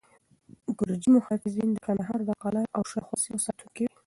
ګرجي محافظین د کندهار د قلعه او شاوخوا سیمو ساتونکي وو.